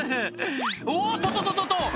「おっととととと！